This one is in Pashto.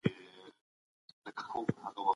تر راتلونکي میاشتې به دوی دلته ډېر کار کړی وي.